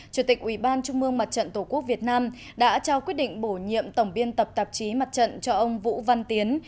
chủ tịch ủy ban trung mương mặt trận tổ quốc việt nam đã trao quyết định bổ nhiệm tổng biên tập tạp chí mặt trận cho ông vũ văn tiến